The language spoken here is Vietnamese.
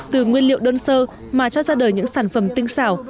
từ nguyên liệu đơn sơ mà cho ra đời những sản phẩm tinh xảo